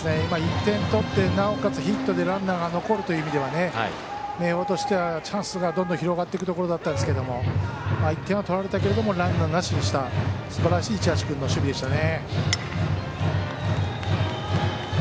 １点取ってなおかつヒットでランナーが残るという意味では明豊としてはチャンスがどんどん広がっていくところだったんですけど１点は取られたけれどもランナーなしにしたすばらしい市橋君の守備でしたね。